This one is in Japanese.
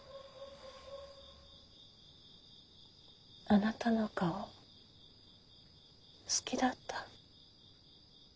あなたの顔好きだった。